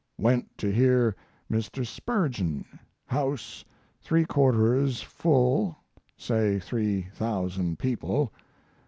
Went to hear Mr. Spurgeon. House three quarters full say three thousand people.